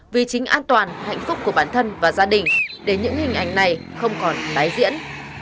vì chính an toàn hạnh phúc của bản thân và gia đình để những hình ảnh này không còn tái diễn